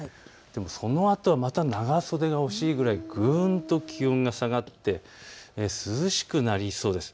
そのあとまた長袖が欲しいくらい、ぐんと気温が下がって涼しくなりそうです。